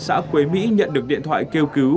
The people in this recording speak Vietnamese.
xã quế mỹ nhận được điện thoại kêu cứu